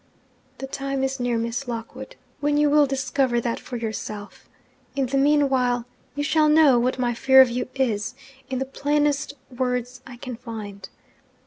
'The time is near, Miss Lockwood, when you will discover that for yourself. In the mean while, you shall know what my fear of you is, in the plainest words I can find.